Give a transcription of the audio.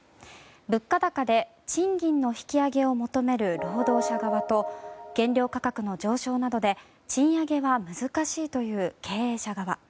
物価高で賃金の引き上げを求める労働者側と原料価格の上昇などで賃上げは難しいという経営者側。